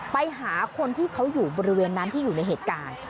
ไปหาคนที่เขาอยู่บริเวณนั้นที่อยู่ในเหตุการณ์